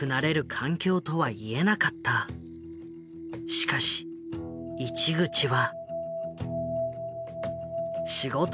しかし市口は。